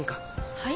はい？